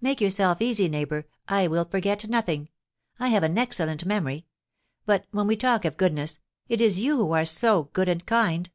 "Make yourself easy, neighbour, I will forget nothing; I have an excellent memory. But, when we talk of goodness, it is you who are so good and kind.